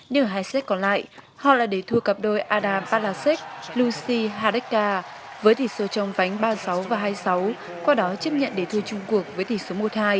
nhờ hai xét còn lại họ lại để thua cặp đôi adam palaszczuk lucy haricka với tỷ số trong vánh ba sáu và hai sáu qua đó chấp nhận để thua chung cuộc với tỷ số một hai